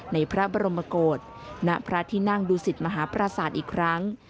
ในพระบรมโกศณพระที่นั่งดูสิตมหาปราศาสตร์อีกครั้ง